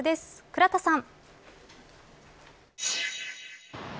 倉田さん。